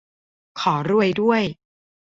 ขอรวยด้วย